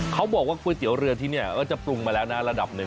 เขาบอกว่าก๋วยเตี๋ยวเรือที่นี่ก็จะปรุงมาแล้วนะระดับหนึ่ง